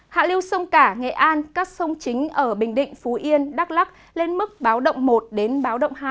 hạ lưu sông cả nghệ an các sông chính ở bình định phú yên đắk lắc lên mức báo động một đến báo động hai